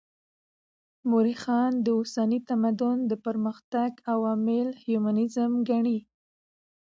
مؤرخان د اوسني تمدن د پرمختګ عوامل هیومنيزم ګڼي.